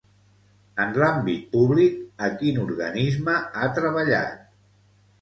En l'àmbit públic, a quin organisme ha treballat?